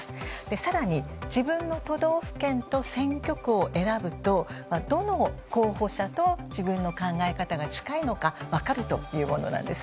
更に自分の都道府県と選挙区を選ぶとどの候補者と自分の考え方が近いのか分かるというものなんです。